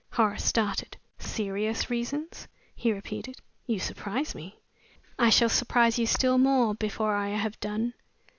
Horace started. "Serious reasons?" he repeated. "You surprise me." "I shall surprise you still more before I have done."